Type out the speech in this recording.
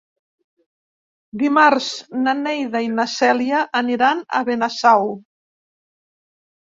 Dimarts na Neida i na Cèlia aniran a Benasau.